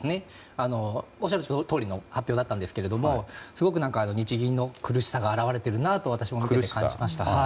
おっしゃるとおりの発表だったんですけどすごく日銀の苦しさが現れているなと私も感じました。